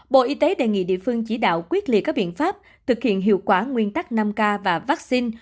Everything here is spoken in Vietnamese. bộ y tế đề nghị địa phương chỉ đạo quyết liệt các biện pháp thực hiện hiệu quả nguyên tắc năm k và vaccine